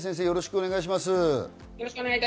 よろしくお願いします。